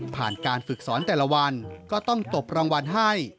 การฝึกสอนแต่ละวันก็ต้องตบรางวัลให้